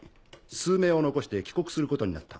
数名を残して帰国することになった。